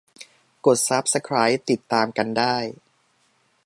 กดซับสไครบ์ติดตามกันได้